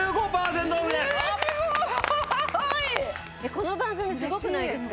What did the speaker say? この番組すごくないですか？